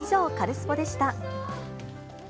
以上、カルスポっ！でした。